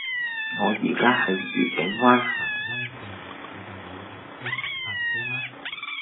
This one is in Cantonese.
我依家喺愉景灣蘅欣徑，附近有停車場泊車嗎